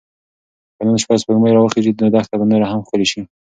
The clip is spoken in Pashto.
که نن شپه سپوږمۍ راوخیژي نو دښته به نوره هم ښکلې شي.